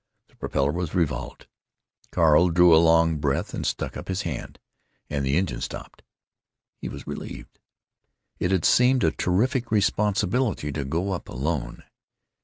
The propeller was revolved, Carl drew a long breath and stuck up his hand—and the engine stopped. He was relieved. It had seemed a terrific responsibility to go up alone.